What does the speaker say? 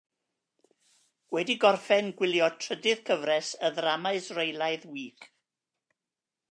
Wedi gorffen gwylio trydydd cyfres y ddrama Israelaidd wych.